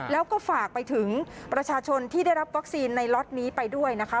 แล้วก็ฝากไปถึงประชาชนที่ได้รับวัคซีนในล็อตนี้ไปด้วยนะคะ